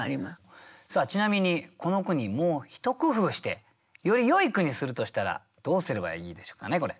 ちなみにこの句にもう一工夫してよりよい句にするとしたらどうすればいいでしょうかねこれ。